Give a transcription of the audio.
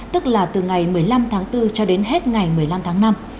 tức là từ ngày một mươi năm tháng bốn cho đến hết ngày một mươi năm tháng năm